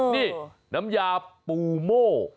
นี่น้ำยาปูโม่